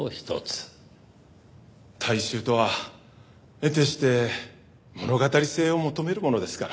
大衆とは得てして物語性を求めるものですから。